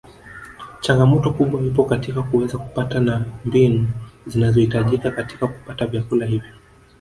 Changamoto kubwa ipo katika kuweza kupata na mbinu zinazohitajika katika kupata vyakula hivyo